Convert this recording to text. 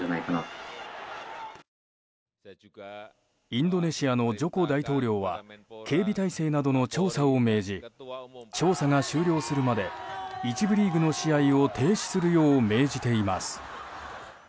インドネシアのジョコ大統領は警備体制などの調査を命じ調査が終了するまで１部リーグの試合を停止するよう命じています。